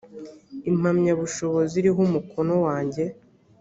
impamyabushobozi iriho umukono wanjye